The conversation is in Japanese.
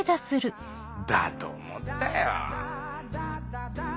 だと思ったよ。